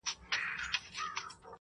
تاريخ يې ساتي په حافظه کي,